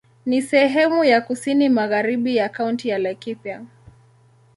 Ni sehemu ya kusini magharibi ya Kaunti ya Laikipia.